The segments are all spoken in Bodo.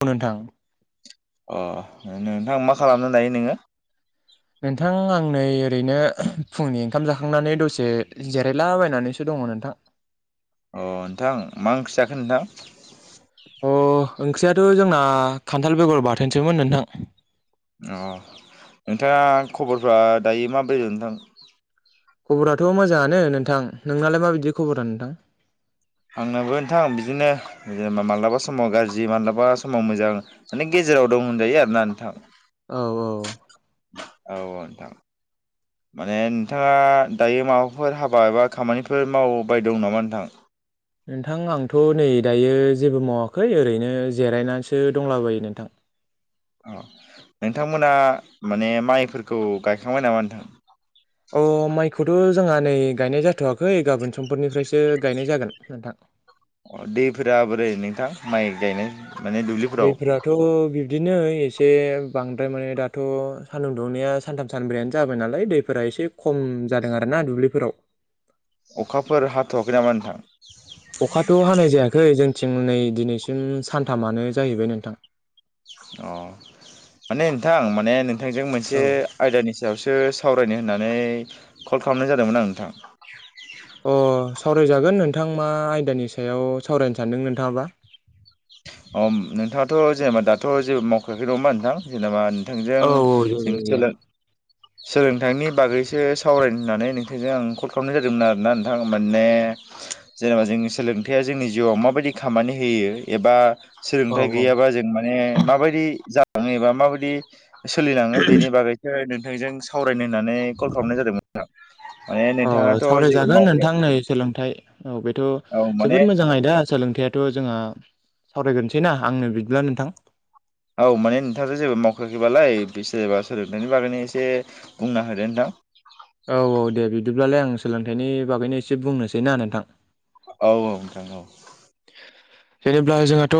औ नोंथां अ नोंथां मा खालामनो दायो नोङो नोंथां आं नै ओरैनो फुंनि ओंखाम जाखांनानै दसे जिरायलाबायनानैसो दं। दङ नोंथां अ नोंथां मा ओंख्रि जाखो नोंथां अ ओंख्रियाथ' जोंना खान्थाल बेगर बाथोनसोमोन नोंथां अ नोंथाङा खबरफ्रा दायो माबोर नोंथां खबराथ' मोजाङानो नोंथां नोंनालाय माबायदि खबरा नोंथां आंनाबो नोंथां बिदिनो जेनेबा माबलाबा समाव गाज्रि माबलाबा समाव मोजां माने गेजेर गेराव दं होनजायो आर ना नोंथां औ औ औ नोंथां। माने नोंथाङा दायो माबाफोर हाबा एबा खामानिफोर मावबाय दं नामा नोंथां नोंथां आंथ' नै दायो जेबो मावाखै ओरैनो जिरायनानैसो दंलाबायो नोंथां अ नोंथांमोना माने माइफोरखौ गायखांबाय नामा नोंथां अ माइखौथ' जोंहा नै गायनाय जाथवाखै गाबोन समफोरनिफ्रायसो गायनाय जागोन नोंथां। अ दैफोरा बोरै नोंथां माइ गायनाय माने दुब्लिफोराव दैफोराथ' बि बिदिनो एसे बांद्राय माने दाथ' सानदुं दुंनाया सानथाम सानब्रैयानो जाबाय नालाय दैफोरा एसे खम जादों आरो ना दुब्लिफोराव अखाफोर हाथ'वाखै नामा नोंथां अखाथ' हानाय जायाखै जोंनिथिं नै दिनैसिम सानथामानो जाहैबाय नोंथां अ माने नोंथां माने नों नोंथांजों मोनसे औ आयदानि सायावसो सावरायनो होननानै कल खालामनाय जादोंमोन आं नोंथां अ सावरायजागोन नोंथां मा आयदानि सायाव सावरायनो सानदों नोंथाङाबा अम नोंथाङाथ' जेनेबा दाथ' जेबो मावखायाखै नङा होमबा नोंथां जेनेबा औ औ जेबो गैया [unintelligible] सोलोंथाइनि बागैसो सावरायनो होननानै नोंथांजों आं कल खालामनाय जादोंमोन आरोना नोंथां माने जेनेबा जोंनि सोलोंथाइया जोंनि जिउआव माबायदि खामानि होयो एबा औ सोलोंथाइ औ गैयाबा जों माने माबायदि जालाङोबा माबायदि सोलिलाङो बेनि बागैसो नोंथांजों सावरायनो होननानै कल खालामनाय जादोंमोन नोंथां अ सावरायजागोन नोंथां नै सोलोंथाइ औ बेथ' औ माने जोबोद मोजां आयदा सोलोंथायाइथ' जोंहा सावरायग्रोनोसैना आंनो बिदिब्ला नोंथां औ माने नोंथाङाथ' जेबो मावखाखैबालाय बिसोर बासोर बागैनो एसे बुंना होदो नोंथां [unintelligible] औ औ दे बिदिब्लालाय आं सोलोंथाइनि बागैनो एसे बुंनोसै ना नोंथां औ औ नोंथां औ जेनेबा जोंहाथ'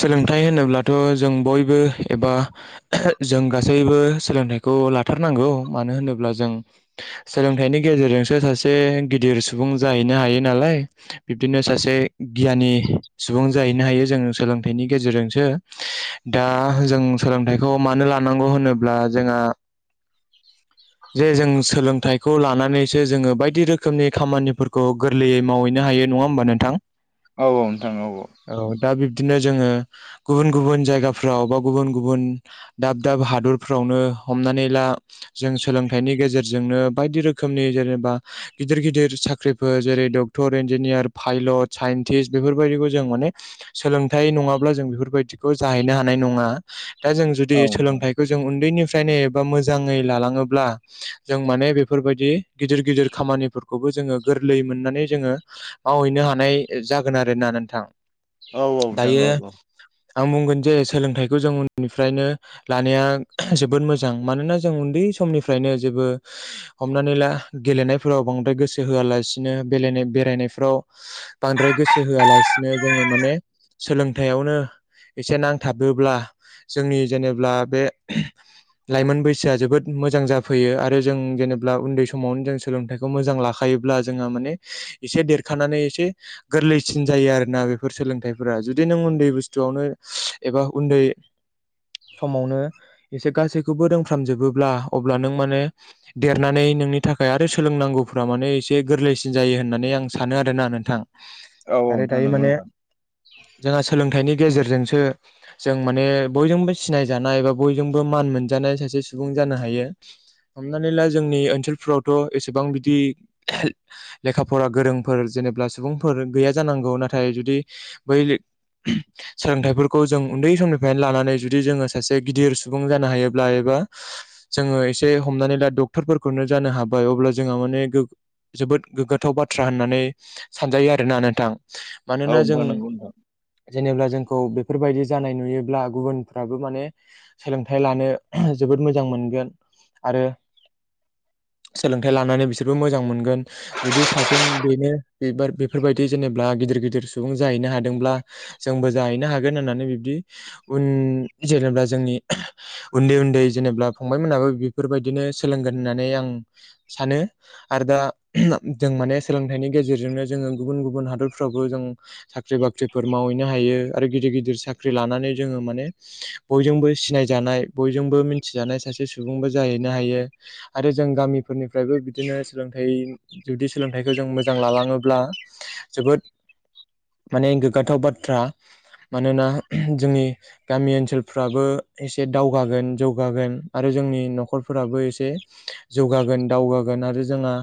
सोलोंथाइ होनोब्लाथ' जों बयबो एबा जों गासैबो सोलोंथाइखौ लाथारनांगौ मानो होनोब्ला जों सोलोंथाइनि गेजेर नोंसोर सासे गिदिर सुबुं जाहैनो हायो नालाय बिब्दिनो सासे गियानि सुबुं जाहैनो हायो जों सोलोंथाइनि गेजेरजोंसो दा जों सोलोंथाइखौ मानो लानांगौ होनोब्ला जोंहा जे जों सोलोंथाइखौ लानानैसो जोंङो बायदि रोखोमनि खामानिफोरखौ गोरलैयै मावहैनो हायो नङा होमबा नोंथां औ औ नोंथां औ औ बिदिनो जोंङो गुबुन गुबुन जायगाफ्राव बा गुबुन गुबुन दाब दाब हादरफ्रावनो हमनानै ला जों जोंनो बायदि रोखोमनि जेनेबा गिदिर गिदिर साख्रिफोर जेरै डक्टर इन्जिनियार फाइल ल साइन्टिस् बेफोरबायदिखौ जों माने सोलोंथाइ नङाब्ला जों बेफोरबायदिखौ जाहैनो हानाय नङा। दा जों जुदि औ नोंथां सोलोंथाइखौ जों उन्दैनिफ्रायनो एबा मोजाङै लालाङोब ब्ला जों माने बेफोरबायदि गिदिर गिदिर खामानिफोर खौबो जोङो गोरलै मोननानै जोंङो मावहैनो हानाय जागोन आरोना नोंथां औ-औ नोंथां दायो औ-औ आं बुंगोन जे सोलोंथाइखौ जों उननिफ्रायनो लानाया जोबोद मोजां मानोना जों उन्दै समनिफ्रायनो जेबो हमनानै ला गेलेनायफोराव बांद्राय गोसो होआलासिनोे बेरायनायफ्राव बांद्राय गोसो होआलासिनो जोंङो माने सोलोंथायावनो एसे नांथाबोब्ला जोंनि जेनेबा बे लाइमोन बैसोआ जोबोद मोजां जाफैयो आरो जों जेनेबा उन्दै समावनो जों सोलोंथाइखौ मोजां लाखायोब्ला जोंहा माने एसे देरखानानै एसे गोरलैसिन जायो आरो ना बेफोर सोलोंथाइफोरा जुदि नों उन्दै बुस्थुआवनो एबा उन्दै समावनो एसे गासैखौबो रोंफ्रामजोबो अब्ला अब्ला नों माने देरनानै नोंनि थाखाय आरो सोलोंनांगौफ्रा माने एसे गोरलैसिन जायो होन्नानै आं सानो आरोना नोंथां औ आरो नोंथां दायो नंगौ माने नोंथां जोंहा सोलोंथाइनि गेजेरजोंसो जों माने बयजोंबो सिनाय जानाय बा बयजोंबो मान मोनजानाय सासे [unintelligible] जानो हायो। हमनानै ला जोंनि ओनसोलफोरावथ' एसेबां बिदि लेखा फरा गोरोंफोर ज जेनेब्ला सुबुंफोर गैया जानांगौ नाथाय जुदि बै सोलोंथाइफोरखौ जों उन्दै समनिफ्रायनो लानानै जुदि जोंङो सासे गिदिर सुबुं जानो हायोब्ला एबा जोंङो एसे हमनानै ला डाक्टरफोरखौनो जानो हाबाय अब्ला जोंहा माने जोबोद गोग्गाथाव बाथ्रा होननानै सानजायो आरोना नोंथां। औ मानोना जों नोंथां नंगौ नोंथां जेनेब्ला जोंखौ बे बेफोरबायदि जानाय नुयोब्ला गुबुनफ्राबो माने सोलोंथाइ लानो जोबोद मोजां मोनगोन आरो [inaudible] सोलोंथाइ लानानै बिसोरबो मोजां मोनगोन जुदि सासे बेनो बेबार बेफोरबायदि जेनेब्ला गिदिर गिदिर सुबुं जाहैनो हादोंब्ला जोंबो जाहैनो हागोन होननानै बिब्दि उन जेनेबा जोंनि उन्दै उन्दै जेनेब्ला फंबाय मोनाबो बेफोरबायदिनो सोलोंगोन होननानै आं सानो आरो दा जों माने सोलोंथाइनि गेजेरजोंनो जोङो गुबुन गुबुन हादरफ्रावबो जों साख्रि-बाख्रिफोर मावहैनो हायो। थायो आरो गिदिर गिदिर साख्रि लानानै जोङो माने बयजोंबो सिनायजानाय बयजोंबो मिन मिथिजानाय सासे सुबुंबो जाहैनो हायो आरो जों गामिफोरनिफ्रायबो बिदिनो सोलोंथाइ जुदि सोलोंथाइखौ जों मोजां लालाङोब्ला जोबोद माने गोग्गाथाव बाथ्रा मानोना मा जोंनि गामि ओनसोलफ्राबो एसे दावगागोन जौ गोन आरो जोंनि न'खरफोराबो एसे जौगागोन दावगागोन आरो जोंहा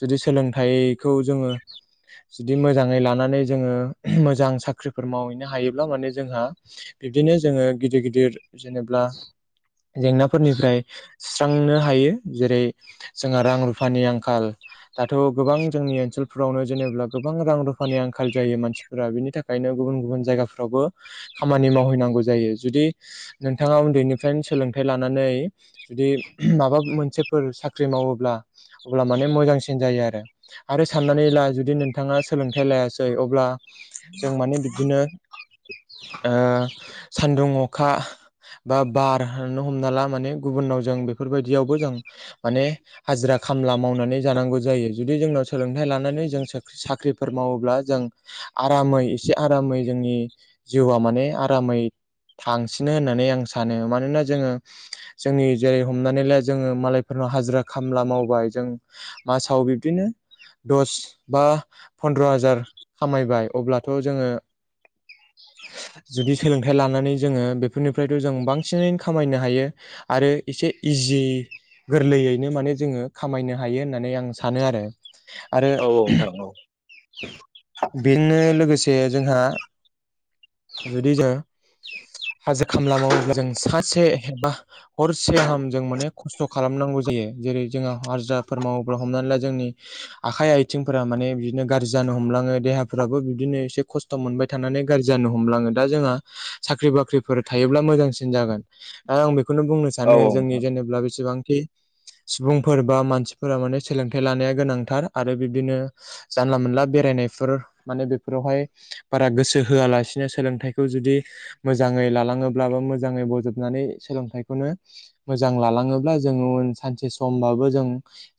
जुदि बे सोलोंथाइखौ जोंङो जुदि मोजाङै लानानै जोंङो मोजां साख्रिफोर मावहैनो हायोब्ला माने जोंहा बिब्दिनो जोंङो गिदिर गिदिर जेनेब्ला जेंनाफोरनिफ्राय सुस्रांनो हायो। जेरै जोंहा रां-रुफानि आंखाल दाथ' गोबां जोंनि ओनसोलफोरावनो जेनेब्ला गोबां रां रुफानि आंखाल जायो मानसिफोरा बिनि थाखायनो गुबुन गुबुन जायगाफ्रावबो खामानि मावहैनांगौ जायो। जुदि नोंथाङा उन्दैनिफ्रायनो सोलोंथाइ लानानै जुदि बे माबा मोनसेफोर साख्रि मावोब्ला अब्ला माने मोजां मोजांसिन जायो आरो आरो साननानै ला जुदि नोंथाङा सोलोंथाइ लायासै अब्ला जों माने बिदिनो ओ सानदुं अखा बा -बार नो हमना ला माने गुबुननाव जों बेफोरबायदियावबो जों माने हाजिरा खामला मावनानै जानांगौ जायो जुदि जोंनाव सोलोंथाइ लानानै जों साख्रि साख्रिफोर मावोब्ला जों आरामै। एसे आरामै जोंनि जिउआ माने आरामै थांसिनो होननानै आं सानो माने मानोना जोंङो जोंनि जेरै हमनानैल जोंङो मालायफोरनाव हाजिरा खामला मावबाय जों मासाव बिब्दिनो दस बा पन्द्र' हाजार खामायबाय अब्लाथ' जोंङो जुदि सोलोंथाइ लानानै जोङो बेफोरनिफ्रायथ' जों बां बांसिन खामायनो हायो आरो एसे इजि गोरलैयैनो माने जोङो खामायनो हायो होननानै आं सानो आरो। आरो औ औ नोंथां औ। बेनो लोगोसे जोंहा जुदि जों हाजो खामला मावोब जों सासेबा हरसे गाहाम जों माने खस्थ' खालामनांगौ। जायो जेरै जोंहा हाजिराफोर मावोब्ला हमनानै ला जोंनि आखाय- आथिंफोरा माने बिदिनो गाज्रि जायो ओ नों हमलांङो देहाफ्राबो बिदिनो एसे खस्थ' मोनबाय थानानै गाज्रि जानो हमलाङो दा जोंहा साख्रि बाख्रिफोर थायो जेब्ला मोजांसिन जागोन ओ-आं बेखौनो बुंनो औ सानो जोंनि नोंथां जेनेब्ला बेसेबांखि सुबुंफोर बा मानसिफोरा माने सोलोंथाइ लानाया गोनांथार आरो बिब्दिनो जानला मोनला बेरायनाय बिसोरो माने बैफोरावहाय बारा गोसो होआलासेनो सोलोंथखौ जुदि मोजाङै ब्लाबो मोजाङै बजबनानै सोलोंथायखौनो मोजां लालाङोब्ला जोङो उन सानसे सम होनबाबो जों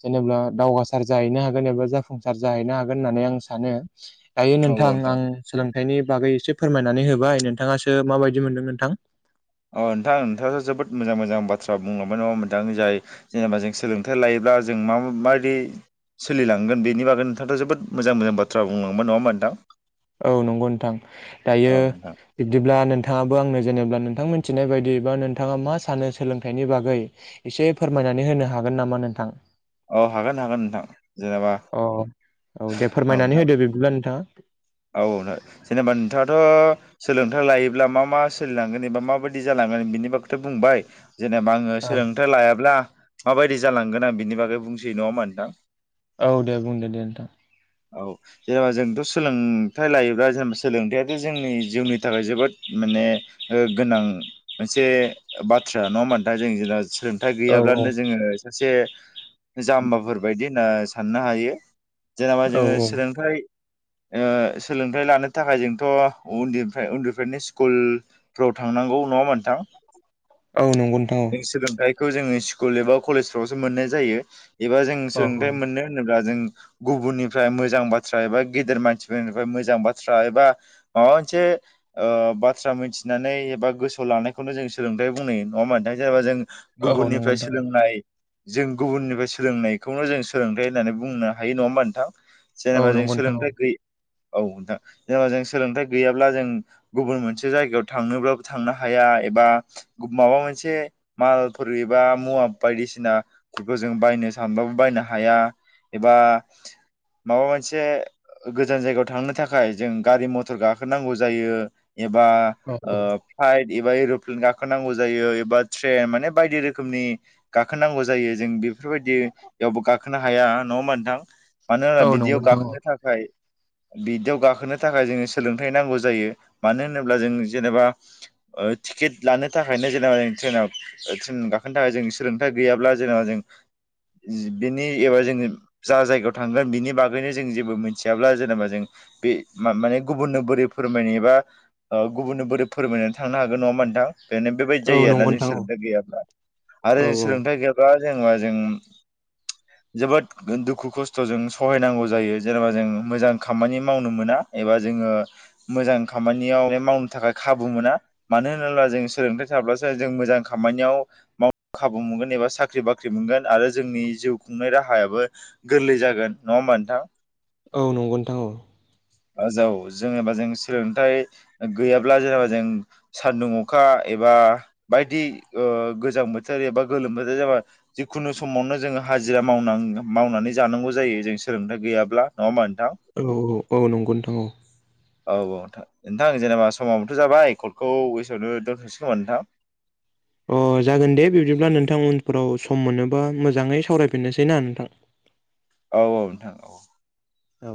जेनेबा दावगासार जाहैनो हागोन एबा जाफुंसार जाहैनो हागोन होननानै आं सानो। दायो औ नोंथां आं सोलोंथाइनि बागै एसे फोरमायनानै होबाय नोंथाङासो माबायदि मोनदों नोंथां अ नोंथां नोंथाङाथ' जोबोद मोजां मोजां बाथ्रा बुंलांबाय नङा होनबा नोंथां जाय जेनेबा जों सोलोंथाइ लायोब्ला दा जों माबायदि सोलिलांगोन बेनि बागै नोंथांथ' जोबोद मोजां मोजां बाथ्रा बुंलांबाय नङा होनबा नोंथां औ नंगौ नोंथां औ दायो नोंथां बिब्दिब्ला नोंथां नोंथाङाबो आंनो जेनेबा नोंथां मोनथिनाय बायदिबा नोंथाङा मा सानो सोलोंथाइनि बागै एसे फोरमाय नानै होनो हागोन नामा नोंथां? औ हागोन हागोन नोंथां जेनेबा अ औ दे फोरमायनानै होदो बिब्दिब्ला नोंथाङा औ जेनेबा नोंथाङाथ' सोलोंथाइ लायोब्ला मा मा सोलिलांगोन एबा माबायदि जालां बिनि बखगैथ' बुंबाय। जेनेबा आं औ सोलोंथाइ लायाब्ला माबायदि जालांगोन बिनि बागै बुंलांनोसै नङा होनबा नोंथां औ दे बुंदो दे नोंथां औ जेनेबा जोंथ' सोलों सोलोंथाइ लायोब्ला जेनेबा सोलोंथायाथ' जोंनि जिउनि थाखाय जोबोद माने गोनां मोनसे बाथ्रा नङा होमबा नोंथां जों जेला- सोलोंथाइ औ औ गैयाब्लानो जोङो सासे जाम्बाफोर बायदि होनना साननो हायो जेनेबा औ जोङो औ सोलोंथाइ ओ-सोलोंथाइ लानो थाखाय जोंथ' उन्दैनिफ्राय उन्दैनिफ्रायनो स्कुलफ्राव थांनांगौ। औ नङा मोनथां औ नंगौ नोंथां औ। खौ जोङो स्कुल एबा कलेजफ्रावसो मोननाय जायो एबा जों औ सोलोंथाइ मोनो होनोब्ला जों गुबुननिफ्राय मोजां बाथ्रा एबा गेदेर मानसिफोरनिफ्राय मोजां बाथ्रा एबा माबा मोनसे ओ बाथ्रा मिथिनानै एबा गोसोआव लानायखौनो जों सोलोंथाइ बुंनाय नङा होमब्ला नोंथां जेनेबा जों औ नंगौ गुबुननिफ्राय नोंथां सोलोंनाय जों गुबुननिफ्राय सोलोंनायखौनो जों सोलोंथाइ होननानै बुंनो हायो नङा होमबा नोंथां औ जेनेबा जों नंगौ नोंथां औ सोलोंथाइ गै औ नोंथां जेनेबा जों सोलोंथाइ गैयाब्ला जों गुबुन मोनसे जायगायाव थांनोब्लाबो थांनो हाया बा माबा मोनसे मालफोर एबा मुवा बायदिसिनाफोरखौ जों बायनो सानबाबो बायनो हाया एबा माबा मोनसे गोजान जायगायाव थांनो थाखाय जों गारि मथर गाखोनांगौ जायो एबा औ औ फ्लाथ एबा एर'प्लेन गाखोनांगौ जायो एबा ट्रेन माने बायदि रोखोमनि गाखोनांगौ जायो जों बेफोरबायदियावबो गाखोनो हाया न' म नोंथां मानो होना औ बिदियाव नंगौ नोंथां औ गाखोनो थाखाय [inaudible] बिदियाव गाखोनो थाखाय जोङो सोलोंथाइ नांगौ जायो मानो होनोब्ला जों जेनेबा टिकेट लानो थाखायनो जेनेबा जों ट्रेनाव ट्रेन गाखोनो थाखाय जों सोलोंथाइ गैयाब्ला जेनेबा जों बिनि एबा जोङो जा जायगायाव थांगोन बिनि बागैनो जों जेबो मोनथि मिथियाब्ला जेनेबा जों बे माने गुबुननो बोरै फोरमायनो एबा गुबुननो बोरै फोरमाय थांनो हागोन नङा होमबा नोंथां बेनो बेबायदि औ जायो आरोना नंगौ जों नोंथां औ सोलोंथाइ गैयाब्ला आरो औ जों सोलोंथाइ गैयाब्ला जेनेबा जों जोबोद दुखु खस्थ' जों सहायनांगौ जायो जेनेबा जों मोजां खामानि मावनो मोना एबा जोङो मोजां खामानियाव मावनो थाखाय खाबु नंगौना मोना मानो होनोब्ला जों सोलोंथाइ थाब्लासो जों मोजां खामानियाव माव खाबु मोनगोन एबा साख्रि साख्रि बाख्रि मोनगोन आरो जोंनि जिउ खुंनाय राहायाबो गोरलै जागोन नङा होमबा नोंथां औ नंगौ नोंथां औ आजाव जेनेबा जों सोलोंथाइ गैयाब्ला जेनेबा जों सान्दुं अखा एबा बायदि गोजां बोथोर एबा गोलोम बोथोर जाबा जिखुनु समावनो जोङो हाजिरा मावनां मावनानै जानांगौ जायो जों सोलोंथाइ गैयाब्ला नङा होमबा नोंथां औ औ औ नंगौ नोंथां औ औ नोंथां नोंथां जेनेबा समावबोथ' जाबाय फनखौ बेसमआवनो दोनथ'सै खोमा नोंथां [inaudible] अ जागोन दे बिब्दिब्ला नोंथां उनफोराव सम मोनोबा मोजाङै सावरायफिननोसै ना नोंथां औ औ नोंथां औ औ